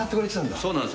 そうなんですよ。